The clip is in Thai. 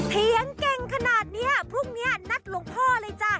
เถียงเก่งขนาดนี้พรุ่งนี้นัดหลวงพ่อเลยจ้ะ